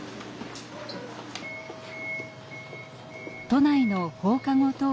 都内の放課後等